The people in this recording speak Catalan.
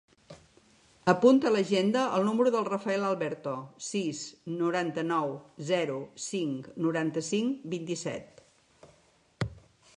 Apunta a l'agenda el número del Rafael Alberto: sis, noranta-nou, zero, cinc, noranta-cinc, vint-i-set.